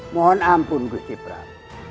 mohon ampun gusti prat